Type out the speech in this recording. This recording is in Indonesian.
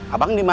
abang ini dia